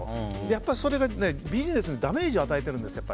やっぱり、それがビジネスにダメージを与えてるんですよ。